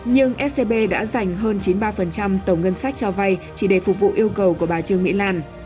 nhưng scb đã dành hơn chín mươi ba tổng ngân sách cho vay chỉ để phục vụ yêu cầu của bà trương mỹ lan